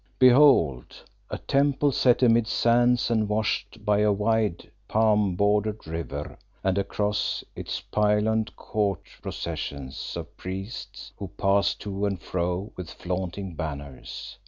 Behold! a temple set amid sands and washed by a wide, palm bordered river, and across its pyloned court processions of priests, who pass to and fro with flaunting banners.